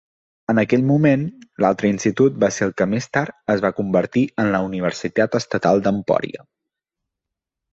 En aquell moment, l'altre institut va ser el que més tard es va convertir en la Universitat Estatal de Emporia.